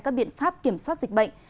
các biện pháp kiểm soát dịch bệnh